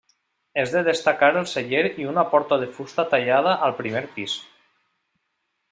És de destacar el celler i una porta de fusta tallada al primer pis.